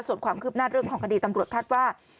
ส่วนความคืบหน้าเรื่องของคดีตำรวจคาดว่า